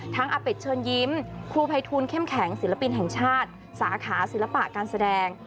อาเป็ดเชิญยิ้มครูภัยทูลเข้มแข็งศิลปินแห่งชาติสาขาศิลปะการแสดง